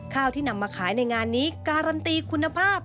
ข้าวที่นำมาขายในงานนี้การันตีคุณภาพ